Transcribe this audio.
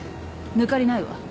抜かりないわ。